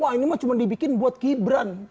wah ini mah cuma dibikin buat gibran